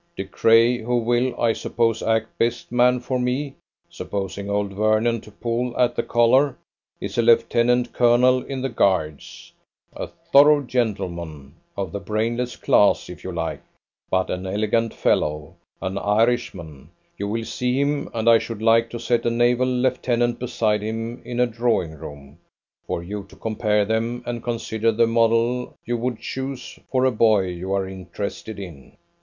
De Craye, who will, I suppose, act best man for me, supposing old Vernon to pull at the collar, is a Lieutenant Colonel in the Guards, a thorough gentleman of the brainless class, if you like, but an elegant fellow; an Irishman; you will see him, and I should like to set a naval lieutenant beside him in a drawingroom, for you to compare them and consider the model you would choose for a boy you are interested in.